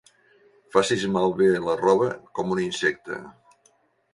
Facis malbé la roba com un insecte.